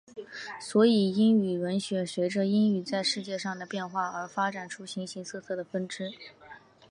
所以英语文学随着英语在世界上的变化而发展出了形形色色的分支。